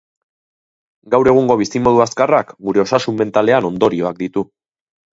Gaur egungo bizimodu azkarrak gure osasun mentalean ondorioak ditu.